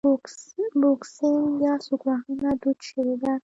بوکسینګ یا سوک وهنه دود شوې ده.